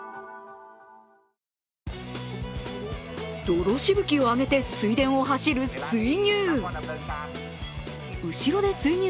泥しぶきを上げて水田を走る水牛。